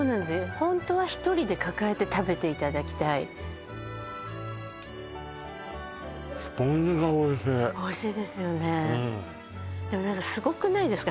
ホントは１人で抱えて食べていただきたいおいしいですよねうんでも何かすごくないですか？